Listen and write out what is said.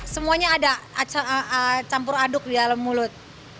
semuanya ada campur aduk di dalam mulut